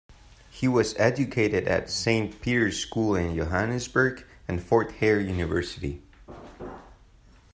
He was educated at Saint Peter's school in Johannesburg and Fort Hare University.